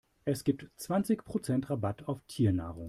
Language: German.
Es gibt zwanzig Prozent Rabatt auf Tiernahrung.